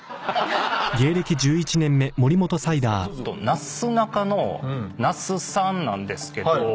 なすなかの那須さんなんですけど。